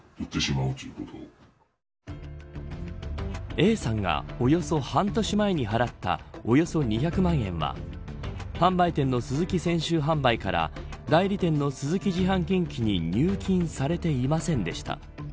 Ａさんがおよそ半年前に払ったおよそ２００万円は販売店のスズキ泉州販売から代理店のスズキ自販近畿に入金されていませんでした。